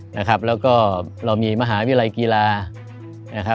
แล้วก็เรามีมหาวิทยาลัยกีฬา